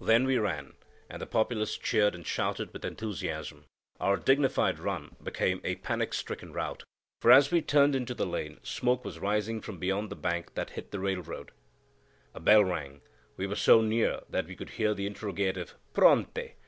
Then we ran, and the populace cheered and shouted with enthusiasm; our dignified run became a panic stricken rout, for as we turned into the lane, smoke was rising from beyond the bank that hid the railroad; a bell rang; we were so near that we could hear the interrogative Pronte?